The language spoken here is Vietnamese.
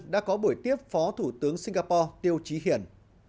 đã có buổi tiếp phó thủ tướng singapore tiêu trí hiển